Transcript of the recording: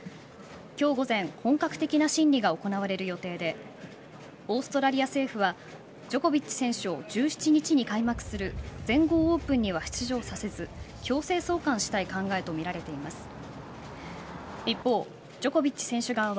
今日午前本格的な審理が行われる予定でオーストラリア政府はジョコビッチ選手を１７日に開幕する全豪オープンには出場させず強制送還したい考えとみられています。